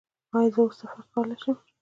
ایا زه اوس سفر کولی شم؟